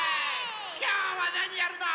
きょうはなにやるの？